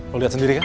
lo liat sendiri kan